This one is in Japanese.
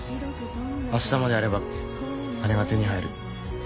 明日までやれば金が手に入る。